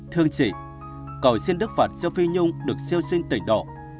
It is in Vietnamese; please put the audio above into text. thương chị cầu xin đức phật cho phi nhung được siêu sinh tỉnh độ